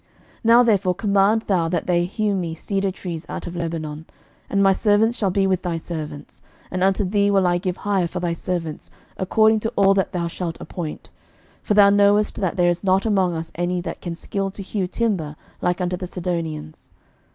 11:005:006 Now therefore command thou that they hew me cedar trees out of Lebanon; and my servants shall be with thy servants: and unto thee will I give hire for thy servants according to all that thou shalt appoint: for thou knowest that there is not among us any that can skill to hew timber like unto the Sidonians.